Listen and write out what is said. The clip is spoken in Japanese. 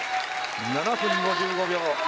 ７分５５秒。